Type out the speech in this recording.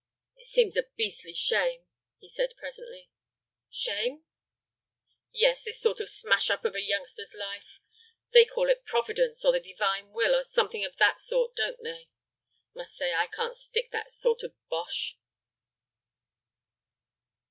"It seems a beastly shame," he said, presently. "Shame?" "Yes, this sort of smash up of a youngster's life. They call it Providence, or the Divine Will, or something of that sort, don't they? Must say I can't stick that sort of bosh."